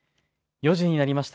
４時になりました。